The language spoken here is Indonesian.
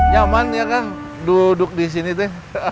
jaman ya kan duduk di sini tuh